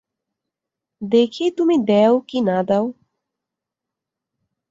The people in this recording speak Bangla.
দেখি তুমি দেও কি না দেও!